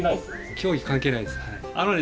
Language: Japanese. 競技関係ないですよね？